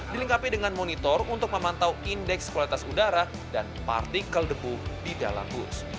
dilengkapi dengan monitor untuk memantau indeks kualitas udara dan partikel debu di dalam bus